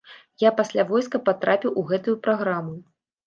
Я пасля войска патрапіў у гэтую праграму.